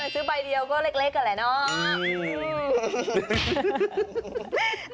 ซื้อใบเดียวก็เล็กอะแหละเนาะ